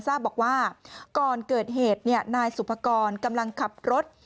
ทราบบอกว่าก่อนเกิดเหตุนายสุภกรกำลังขับรถ